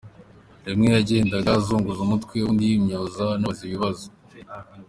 Rimwe yagendaga azunguza umutwe ubundi yimyoza anabaza ibibazo.